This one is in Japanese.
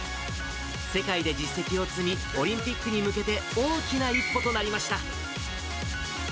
世界で実績を積み、オリンピックに向けて大きな一歩となりました。